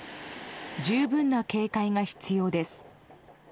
十分な警戒が必要です。